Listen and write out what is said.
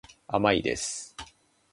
甘いです。